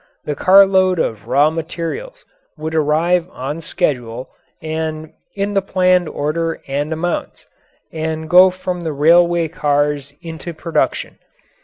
The carloads of raw materials would arrive on schedule and in the planned order and amounts, and go from the railway cars into production.